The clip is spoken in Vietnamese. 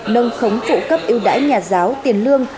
nâng khống phụ cấp ưu đãi nhà giáo tiền lương